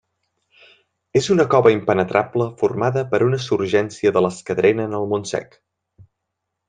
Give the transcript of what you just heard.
És una cova impenetrable formada per una surgència de les que drenen el Montsec.